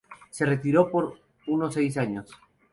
Se retiró por unos seis años.